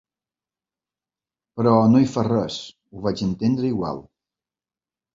Però no hi fa res, ho vaig entendre igual.